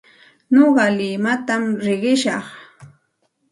Nuqa limatam riqishaq.